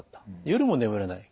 夜も眠れない。